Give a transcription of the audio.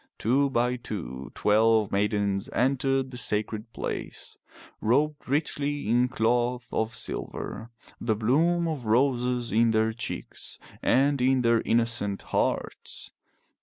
Two by two twelve maidens entered the sacred place, robed richly in cloth of silver, the bloom of roses in their cheeks and in their innocent hearts.